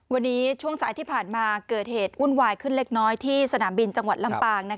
วันนี้ช่วงสายที่ผ่านมาเกิดเหตุวุ่นวายขึ้นเล็กน้อยที่สนามบินจังหวัดลำปาง